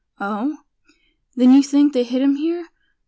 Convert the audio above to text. "Oh! then you think they hid 'em here?"